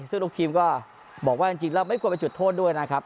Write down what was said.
ซึ่งทุกทีมก็บอกว่าจริงแล้วไม่ควรไปจุดโทษด้วยนะครับ